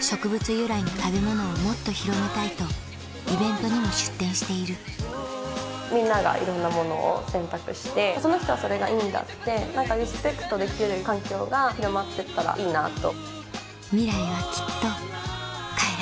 由来の食べ物をもっと広めたいとイベントにも出店しているみんながいろんなものを選択してその人はそれがいいんだってリスペクトできる環境が広まっていったらいいなと。